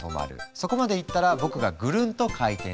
そこまでいったら僕がぐるんと回転する。